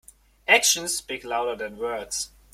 Actions speak louder than words.